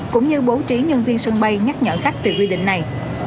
cũng như bố trí nhân viên sân bay nhắc nhở khách từ quy định này